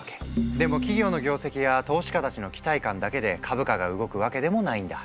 でも企業の業績や投資家たちの期待感だけで株価が動くわけでもないんだ。